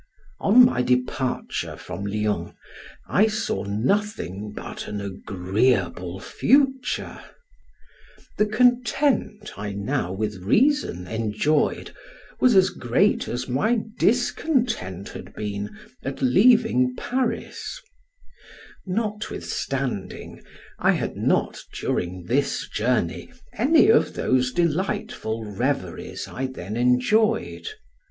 On my departure from Lyons, I saw nothing but an agreeable future, the content I now with reason enjoyed was as great as my discontent had been at leaving Paris, notwithstanding, I had not during this journey any of those delightful reveries I then enjoyed.